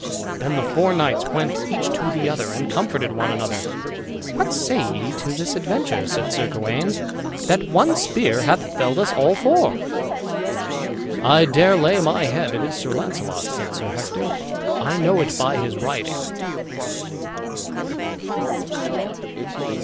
Then the four knights went each to the other and comforted one another. "What say ye to this adventure," said Sir Gawain, "that one spear hath felled us all four?" "I dare lay my head it is Sir Launcelot," said Sir Hector; "I know it by his riding."